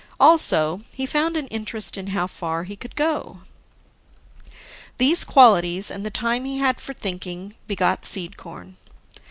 Also, he found an interest in how far he could go. These qualities, and the time he had for thinking, begot Seed corn.